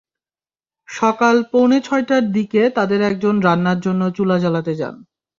সকাল পৌনে ছয়টার দিকে তাঁদের একজন রান্নার জন্য চুলা জ্বালাতে যান।